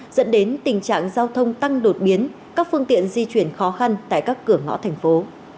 dẫn đến tình trạng giao thông tăng đột biến các phương tiện di chuyển khó khăn tại các cửa ngõ thành phố